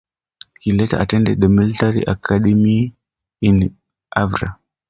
He later attended the military academy in Ivrea.